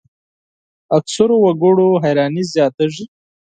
اکثرو وګړو حیراني زیاتېږي.